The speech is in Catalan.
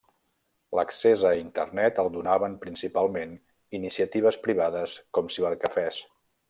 L'accés a Internet el donaven principalment iniciatives privades com cibercafès.